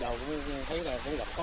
thì có chương trình thiện thề thôi